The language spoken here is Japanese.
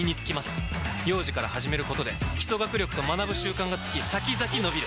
幼児から始めることで基礎学力と学ぶ習慣がつき先々のびる！